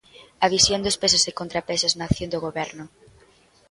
A visión dos pesos e contrapesos na acción do Goberno.